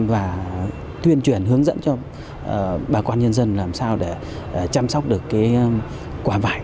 và tuyên truyền hướng dẫn cho bà quan nhân dân làm sao để chăm sóc được cái quả vải